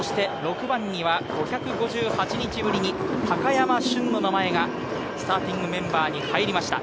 ６番には５５８日ぶりに高山俊の名前がスターティングメンバーに入りました。